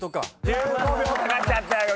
１５秒かかっちゃったよ